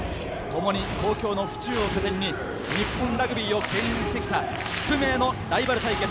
ともに東京の府中を拠点に日本ラグビーをけん引してきた宿命のライバル対決。